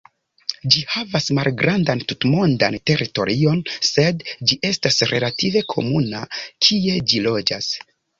Ĝi havas malgrandan tutmondan teritorion sed ĝi estas relative komuna kie ĝi loĝas.